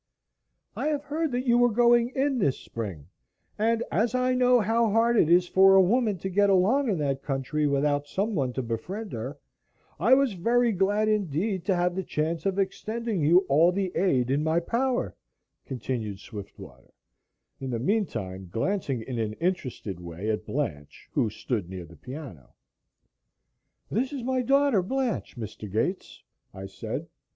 "I have heard that you were going in this spring, and as I know how hard it is for a woman to get along in that country without someone to befriend her, I was very glad indeed to have the chance of extending you all the aid in my power," continued Swiftwater, in the meantime glancing in an interested way at Blanche, who stood near the piano. "This is my daughter, Blanche, Mr. Gates," I said.